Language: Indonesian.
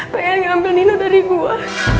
pengen ngambil nina dari gue